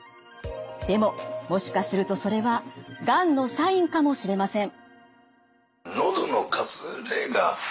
でももしかするとそれはがんのサインかもしれません。